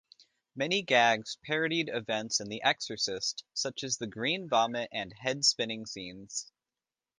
Many gags parodied events in "The Exorcist", such as the green-vomit and head-spinning scenes.